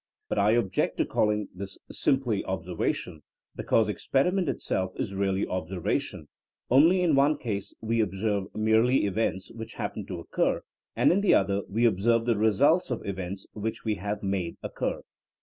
But I object to calling this simply ob servation because experiment itself is realty ob servation, only in one case we observe merely events which happen to occur, and in the other we observe the results of events which we have made occur.